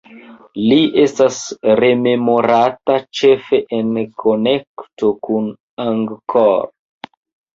Li estas rememorata ĉefe en konekto kun Angkor.